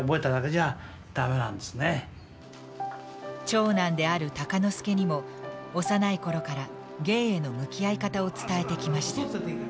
長男である鷹之資にも幼い頃から芸への向き合い方を伝えてきました。